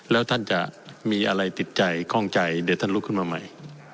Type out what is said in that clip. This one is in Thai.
แล้วท่านจะมีอะไรติดใจคล่องใจเดี๋ยวท่านลุกขึ้นมาใหม่